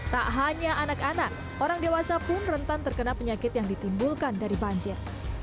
tak hanya anak anak orang dewasa pun rentan terkena penyakit yang ditimbulkan dari banjir